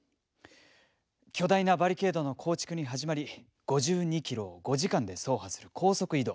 巨大なバリケードの構築に始まり５２ｋｍを５時間で走破する高速移動。